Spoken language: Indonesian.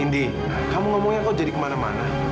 indy kamu ngomongnya kok jadi kemana mana